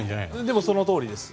そのとおりです。